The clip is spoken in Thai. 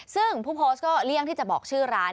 ซึ่งผู้โพสต์ก็เลี่ยงที่จะบอกชื่อร้าน